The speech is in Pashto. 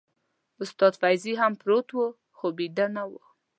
استاد فضلي هم پروت و خو بيده نه و.